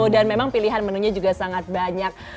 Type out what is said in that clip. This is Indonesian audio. dan memang pilihan menunya juga sangat banyak